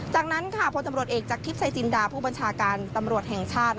จากนั้นพลตำรวจเอกจากทิพย์ชายจินดาผู้บัญชาการตำรวจแห่งชาติ